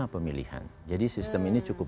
pemilihan jadi sistem ini cukup